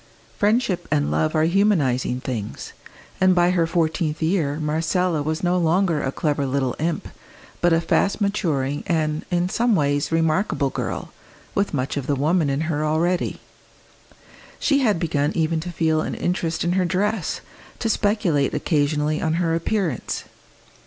Friendship and love are humanising things, and by her fourteenth year Marcella was no longer a clever little imp, but a fast maturing and in some ways remarkable girl, with much of the woman in her already. She had begun even to feel an interest in her dress, to speculate occasionally on her appearance.